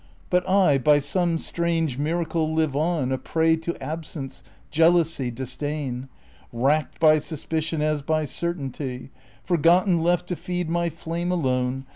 But I, by some strange miracle, live on A prey to absence, jealousy, disdain; Racked by suspicion as by certainty ; Forgotten, left to feed my flame alone.